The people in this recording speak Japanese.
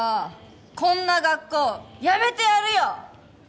こんな学校やめてやるよ！